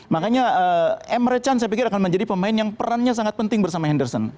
makanya emre can saya pikir akan menjadi pemain yang perannya sangat penting bersama henderson